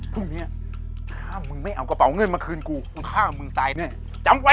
พรุ่งนี้ถ้ามึงไม่เอากระเป๋าเงินมาคืนกูมึงฆ่ามึงตายแน่จำไว้